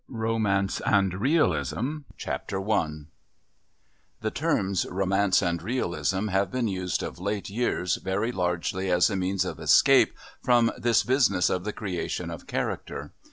IV ROMANCE AND REALISM I The terms, Romance and Realism, have been used of late years very largely as a means of escape from this business of the creation of character.